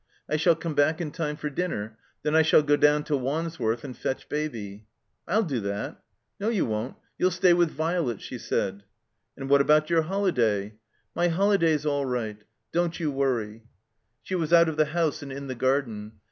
I shall come back in time for dinner. Then I shall go down to Wandsworth and fetch Baby." •'I'll do that." '*No, you won't. You'll stay with Violet," she said. And what about your holiday?" "My holiday's all right. Don't you worry." She was out of the house and in the garden.